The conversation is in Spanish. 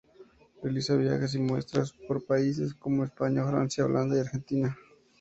Realiza viajes y muestras por países como España, Francia, Holanda y Argentina.